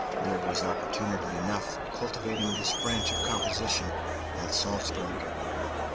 There was opportunity enough for cultivating this branch of composition at Salzburg.